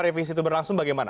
revisi itu berlangsung bagaimana